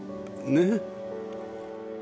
ねえ？